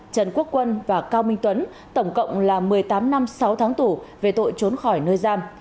trần quốc quân và cao minh tuấn tổng cộng là một mươi tám năm sáu tháng tù về tội trốn khỏi nơi giam